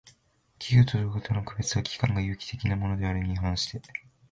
器官と道具との区別は、器官が有機的（生命的）なものであるに反して